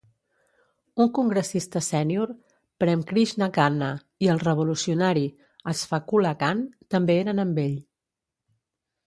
Un congressista sènior, Prem Krishna Khanna, i el revolucionari Ashfaqulla Khan també eren amb ell.